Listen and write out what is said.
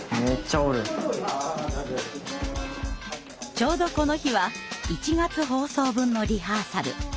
ちょうどこの日は１月放送分のリハーサル。